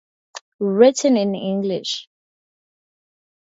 Written in English.